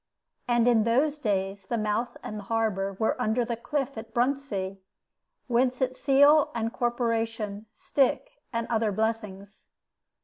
And in those days the mouth and harbor were under the cliff at Bruntsea, whence its seal and corporation, stick, and other blessings.